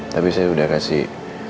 tapi saya udah kasih